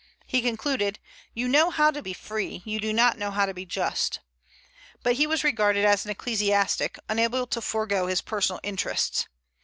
He concluded, "You know how to be free; you do not know how to be just." But he was regarded as an ecclesiastic, unable to forego his personal interests.